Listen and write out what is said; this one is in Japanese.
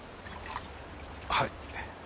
はい。